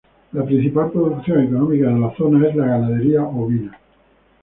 La principal producción económica de la zona es la ganadería ovina.